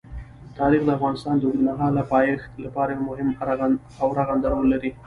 تاریخ د افغانستان د اوږدمهاله پایښت لپاره یو مهم او رغنده رول لري.